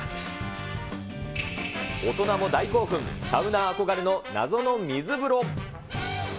大人も大興奮、サウナー憧れの謎の水風呂。